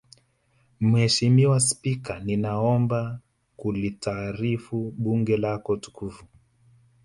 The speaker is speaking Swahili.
Mheshimiwa Spika ninaomba kulitaarifu Bunge lako tukufu